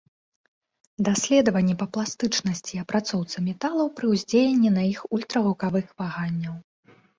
Даследаванні па пластычнасці і апрацоўцы металаў пры ўздзеянні на іх ультрагукавых ваганняў.